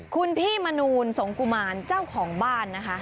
คุณพี่มนูลสงกุมารเจ้าของบ้านนะคะ